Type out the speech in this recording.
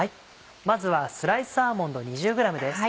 まずはスライスアーモンド２０ｇです。